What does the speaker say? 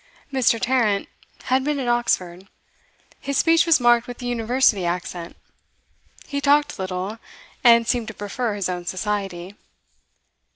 Mr. Tarrant had been at Oxford; his speech was marked with the University accent; he talked little, and seemed to prefer his own society.